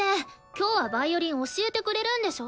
今日はヴァイオリン教えてくれるんでしょ？